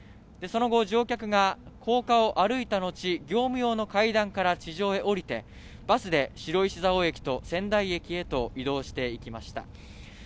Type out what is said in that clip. その後、乗客が高架を歩いたのち、業務用の階段から地上へ降りてバスで白石蔵王駅と仙台駅へと移動していきました。